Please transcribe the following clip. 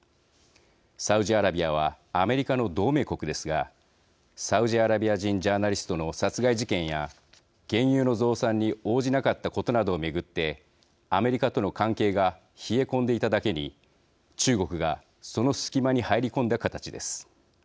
サウジアラビアはアメリカの同盟国ですがサウジアラビア人ジャーナリストの殺害事件や原油の増産に応じなかったことなどを巡ってアメリカとの関係が冷え込んでいただけに、中国がその隙間に入り込んだ形です。